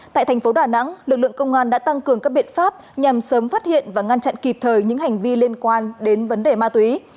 tại thành phố đà nẵng lực lượng công an đã tăng cường các biện pháp nhằm sớm phát hiện và ngăn chặn kịp thời những hành vi liên quan đến vấn đề ma túy